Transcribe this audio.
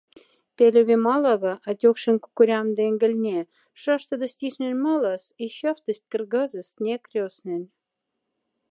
Пялеве малава, атёкшень кукорямда ингольне, шаштода стирьхнень малас и щафтость кргазост ня крёснень.